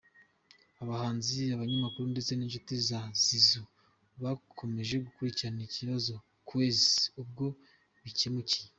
Abahanzi, abanyamakuru ndetse n’inshuti za Zizou bakomeje gukurikirana ikibazo kueza ubwo bikemukiye.